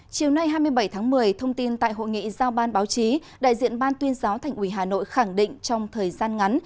chiều nay hai mươi bảy tháng một mươi thông tin tại hội nghị giao ban báo chí đại diện ban tuyên giáo thành ủy hà nội khẳng định trong thời gian ngắn